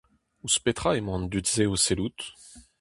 Ouzh petra emañ an dud-se o sellout ?